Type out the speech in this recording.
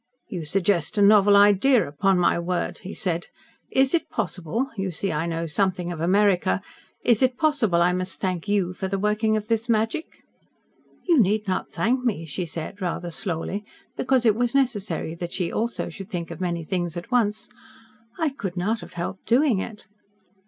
"You suggest a novel idea, upon my word," he said. "Is it possible you see I know something of America is it possible I must thank YOU for the working of this magic?" "You need not thank me," she said, rather slowly, because it was necessary that she also should think of many things at once. "I could not have helped doing it."